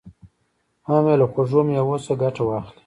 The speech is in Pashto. هم یې له خوږو مېوو څخه ګټه واخلي.